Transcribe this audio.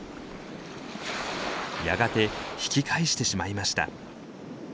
やがて引き返してしまいました。